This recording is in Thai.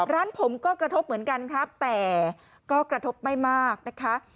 ร้านผมก็กระทบเหมือนกันครับแต่ก็กระทบไม่มากนะคะ